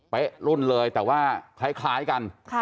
รุ่นเลยแต่ว่าคล้ายกัน